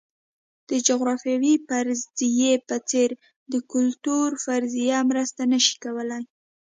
د جغرافیوي فرضیې په څېر د کلتور فرضیه مرسته نه شي کولای.